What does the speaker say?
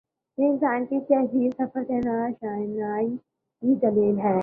یہ انسان کے تہذیبی سفر سے نا آ شنائی کی دلیل ہے۔